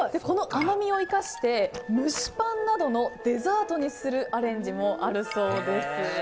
この甘みを生かして蒸しパンなどのデザートにするアレンジもあるそうです。